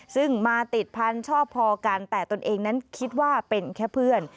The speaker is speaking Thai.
ซึ่งมาติดพันธุ์ชอบพอกันแต่ตนเองนั้นคิดว่าเป็นแค่เพื่อน